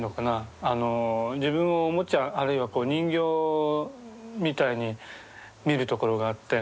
自分をおもちゃあるいは人形みたいに見るところがあって。